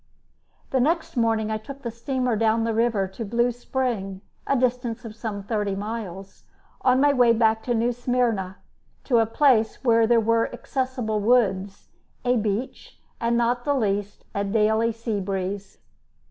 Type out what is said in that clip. The next morning I took the steamer down the river to Blue Spring, a distance of some thirty miles, on my way back to New Smyrna, to a place where there were accessible woods, a beach, and, not least, a daily sea breeze.